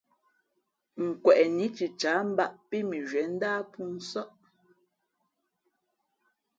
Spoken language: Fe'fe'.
Kweꞌnǐ cicǎh mbāꞌ pí mʉnzhwíé ndáh pōō nsάʼ.